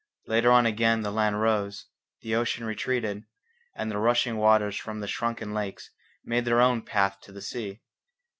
Later on again the land rose, the ocean retreated, and the rushing waters from the shrunken lakes made their own path to the sea.